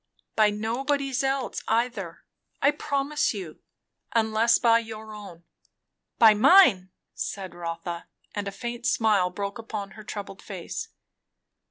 "By nobody's else, either, I promise you unless by your own." "By mine!" said Rotha, and a faint smile broke upon her troubled face.